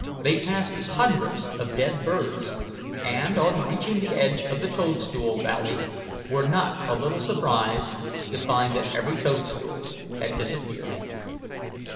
They passed hundreds of dead birds, and on reaching the edge of the toadstool valley were not a little surprised to find that every toadstool had disappeared.